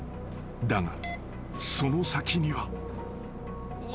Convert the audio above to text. ［だがその先には］